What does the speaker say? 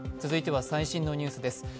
続いては最新のニュースです。